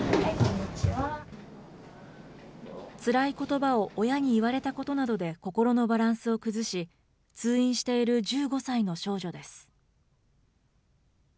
つらいことばを親に言われたことなどで、心のバランスを崩し、通院している１５歳の少女です。